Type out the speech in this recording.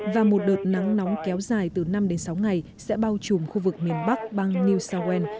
và một đợt nắng nóng kéo dài từ năm đến sáu ngày sẽ bao trùm khu vực miền bắc bang new south wales